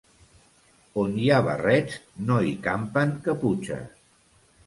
On hi ha barrets, no hi campen caputxes.